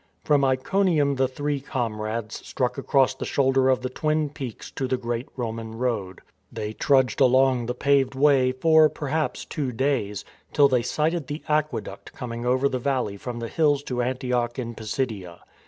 From Iconium the three comrades struck across the shoulder of the Twin Peaks to the great Roman road. They trudged along the paved Way for, perhaps, two days, till they sighted the aqueduct coming over the valley from the hills to Antioch in Pisidia.